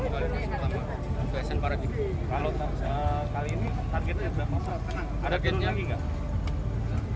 kalau kali ini targetnya berapa